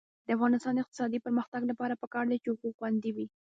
د افغانستان د اقتصادي پرمختګ لپاره پکار ده چې حقوق خوندي وي.